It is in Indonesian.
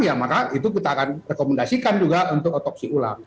ya maka itu kita akan rekomendasikan juga untuk otopsi ulang